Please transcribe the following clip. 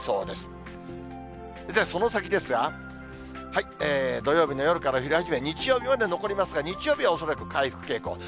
ではその先ですが、土曜日の夜から降り始め、日曜日まで残りますが、日曜日は恐らく回復傾向。